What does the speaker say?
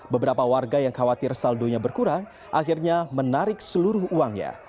beberapa warga yang khawatir saldonya berkurang akhirnya menarik seluruh uangnya